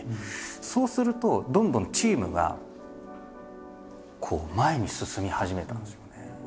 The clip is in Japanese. そうするとどんどんチームがこう前に進み始めたんですよね。